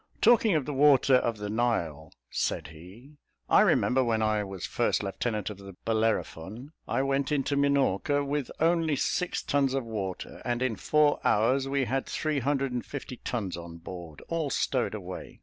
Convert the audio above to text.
"Talking of the water of the Nile," said he, "I remember, when I was first lieutenant of the Bellerophon I went into Minorca with only six tons of water, and in four hours we had three hundred and fifty tons on board, all stowed away.